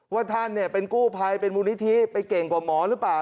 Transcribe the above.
ว่าท่านเป็นกู้ภัยเป็นมูลนิธิไปเก่งกว่าหมอหรือเปล่า